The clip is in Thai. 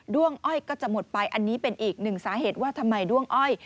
้วงอ้อยก็จะหมดไปอันนี้เป็นอีกหนึ่งสาเหตุว่าทำไมด้วงอ้อย